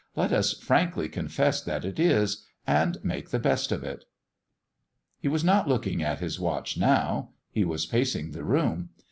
Let us frankly confess that it is, and make the best of it." He was not looking at his watch now; he was pacing the room.